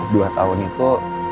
dua tahun itu